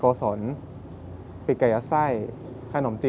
กลับมาสืบสาวเรื่องราวความประทับใจ